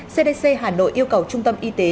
cdc hà nội yêu cầu trung tâm y tế